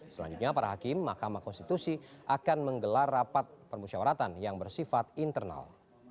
selanjutnya para hakim mahkamah konstitusi akan menggelar rapat permusyawaratan yang bersifat internal